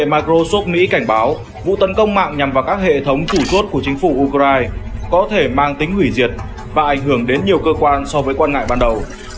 microsoft mỹ cảnh báo vụ tấn công mạng nhằm vào các hệ thống chủ chốt của chính phủ ukraine có thể mang tính hủy diệt và ảnh hưởng đến nhiều cơ quan so với quan ngại ban đầu